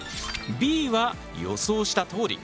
Ｂは予想したとおり。